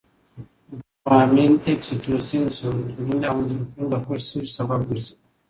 دوپامین، اکسي توسین، سروتونین او اندورفین د خوښۍ سبب کېږي.